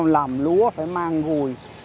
làm lúa phải mang gùi